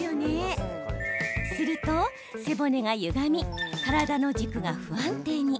すると背骨がゆがみ体の軸が不安定に。